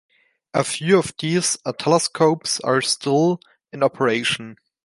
A few of these telescopes are still in operation.